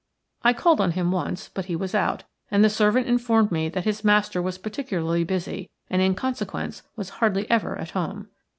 I called on him once, but he was out, and the servant informed me that his master was particularly busy, and in consequence was hardly ever at home.